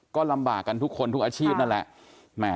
ก็ลำบากกันทุกคนทุกอาชีพนั่นแหละ